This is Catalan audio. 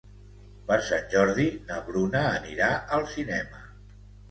Per Sant Jordi na Bruna anirà al cinema.